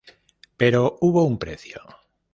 Pero hubo un precio.